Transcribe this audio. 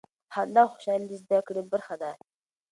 خندا او خوشحالي د زده کړې برخه ده.